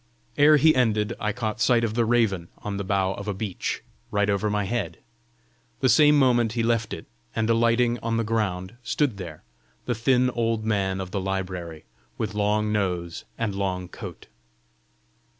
Ere he ended I caught sight of the raven on the bough of a beech, right over my head. The same moment he left it, and alighting on the ground, stood there, the thin old man of the library, with long nose and long coat.